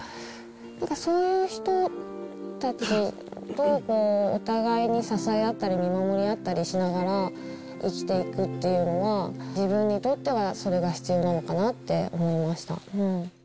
なんかそういう人たちとお互いに支え合ったり、見守り合ったりしながら生きていくっていうのは、自分にとってはそれが必要なのかなって思いました。